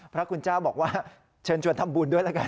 พระคุณเจ้าบอกว่าเชิญชวนทำบุญด้วยแล้วกัน